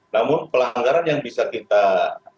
namun pelanggaran yang bisa kita lakukan